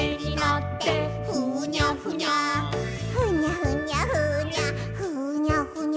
「ふにゃふにゃふにゃふにゃふにゃ」「ふにゃふにゃ」